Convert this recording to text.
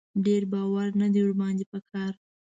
ډېر باور نه دی ور باندې په کار.